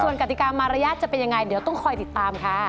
ส่วนกติกามารยาทจะเป็นยังไงเดี๋ยวต้องคอยติดตามค่ะ